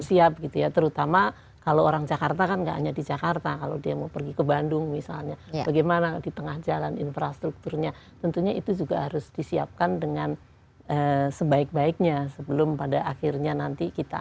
ibu puji pemerintah jangan kemana mana